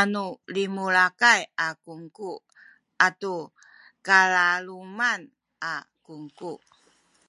anu limulakay a kungku atu kalaluman a kungku